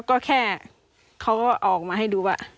ก็แค่เขาก็ออกมาให้ดูว่า